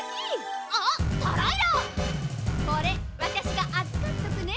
これわたしがあずかっとくね。